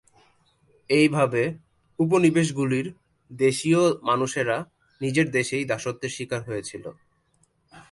এইভাবে উপনিবেশগুলির দেশীয় মানুষেরা নিজের দেশেই দাসত্বের শিকার হয়েছিল।